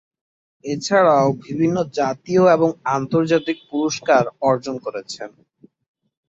এছাড়াও বিভিন্ন জাতীয় এবং আন্তর্জাতিক পুরস্কার অর্জন করেছেন।